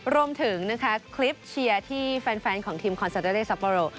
รวมถึงคลิปเชียร์ที่แฟนของทีมคอนเซอร์เดอร์เลสัปโปรโล